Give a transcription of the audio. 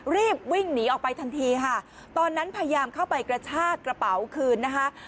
รีบวิ่งหนีออกไปทันทีค่ะตอนนั้นพยายามเข้าไปกระชากระเป๋าคืนนะคะ